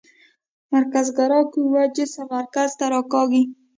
مرکزګرا قوه جسم مرکز ته راکاږي.